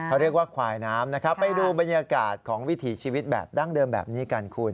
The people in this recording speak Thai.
เขาเรียกว่าควายน้ำนะครับไปดูบรรยากาศของวิถีชีวิตแบบดั้งเดิมแบบนี้กันคุณ